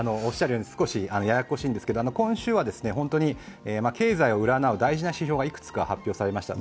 少しややこしいんですけれども、今週は本当に経済を占う大事な指標がいくつか発表されました。